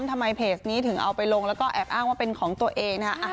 ทำไมเพจนี้ถึงเอาไปลงแล้วก็แอบอ้างว่าเป็นของตัวเองนะฮะ